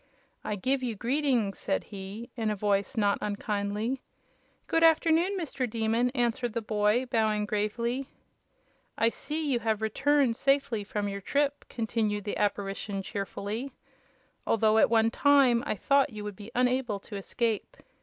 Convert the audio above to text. "I give you greetings!" said he, in a voice not unkindly. "Good afternoon, Mr. Demon," answered the boy, bowing gravely. "I see you have returned safely from your trip," continued the Apparition, cheerfully, "although at one time I thought you would be unable to escape.